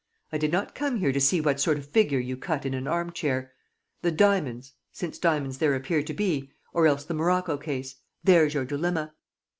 I did not come here to see what sort of figure you cut in an arm chair. ... The diamonds, since diamonds there appear to be ... or else the morocco case. ... There's your dilemma."